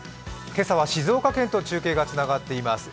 今朝は静岡県と中継がつながっています。